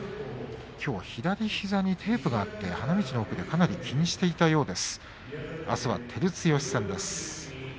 左膝にテープがあって花道の奥でかなり気にしていたようです